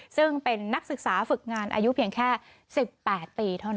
ซึ่งเป็นนักศึกษาฝึกงานอายุเพียงแค่๑๘ปีเท่านั้น